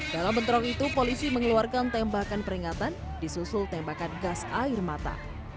dalam bentrok itu polisi mengeluarkan tembakan peringatan disusul tembakan gas air mata